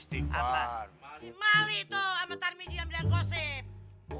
malik tuh sama tarmiji yang bilang gosip